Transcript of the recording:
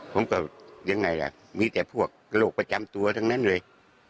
ผมก็ยังไงล่ะมีแต่พวกโรคประจำตัวทั้งนั้นเลย